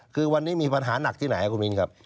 คือวันนี้มีปัญหาหนักที่ไหนครับคุณมินครับ